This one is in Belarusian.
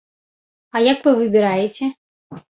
А як вы выбіраеце?